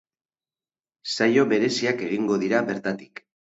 Saio bereziak egingo dira bertatik.